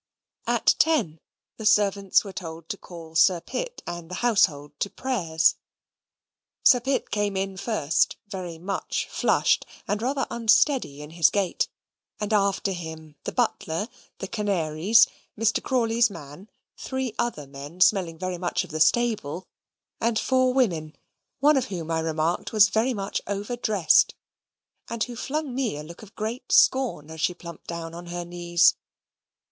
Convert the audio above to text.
At ten the servants were told to call Sir Pitt and the household to prayers. Sir Pitt came in first, very much flushed, and rather unsteady in his gait; and after him the butler, the canaries, Mr. Crawley's man, three other men, smelling very much of the stable, and four women, one of whom, I remarked, was very much overdressed, and who flung me a look of great scorn as she plumped down on her knees.